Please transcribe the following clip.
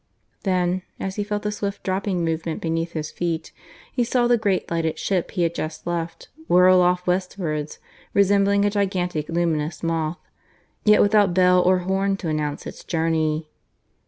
Then, as he felt the swift dropping movement beneath his feet, he saw the great lighted ship he had just left whirl off westwards, resembling a gigantic luminous moth, yet without bell or horn to announce its journey.